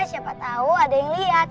siapa tahu ada yang lihat